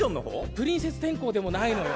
プリンセス天功でもないのよ。